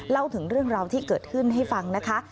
เล่าถึงเรื่องราวที่เกิดขึ้นให้ฟังนะคะ